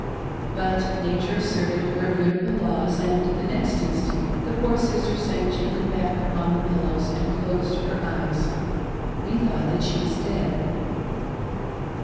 But nature asserted her immutable laws and the next instant the poor sister sank gently back upon the pillows and closed her eyes. We thought that she was dead.